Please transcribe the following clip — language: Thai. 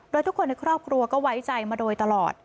โดยทุกคนในครอบครัวก็ไว้ใจมาโดยตลอด